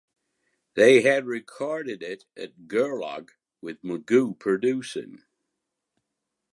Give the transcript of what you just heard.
They had recorded it at Gerlog with Magoo producing.